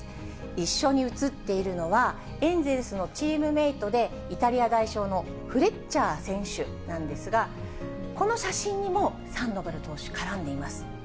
一緒に写っているのは、エンゼルスのチームメートで、イタリア代表のフレッチャー選手なんですが、この写真にも、サンドバル投手、絡んでいます。